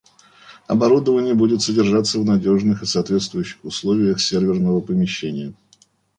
Оборудование будет содержаться в надежных и соответствующих условиях серверного помещения